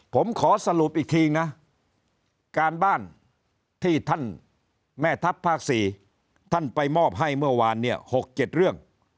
ผมขอสรุปอีกทีนะการบ้านที่ท่านแม่ทัพภาค๔ท่านไปมอบให้เมื่อวานเนี่ย๖๗เรื่อง